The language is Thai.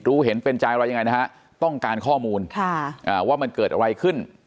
รู้เห็นเป็นใจอะไรยังไงนะฮะต้องการข้อมูลว่ามันเกิดอะไรขึ้น